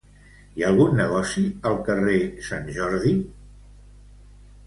Hi ha algun negoci al carrer Sant Jordi cantonada Sant Jordi?